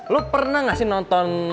lo pernah gak sih nonton